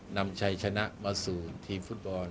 นำชัยชนะมาสู่ทีมฟุตบอล